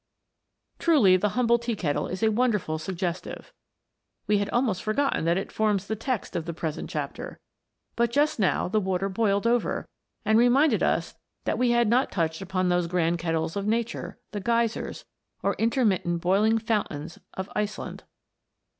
Truly the humble tea kettle is wonderfully sug gestive. We had almost forgotten that it forms the text of the present chapter, but just now the water boiled over and reminded us that we had not touched upon those grand kettles of nature, the Geysers, or intermittent boiling fountains of Iceland.